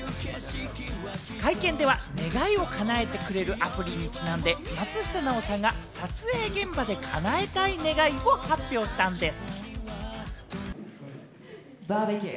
会見では、願いを叶えてくれるアプリにちなんで、松下奈緒さんが撮影現場で叶えたい願いを発表したんです。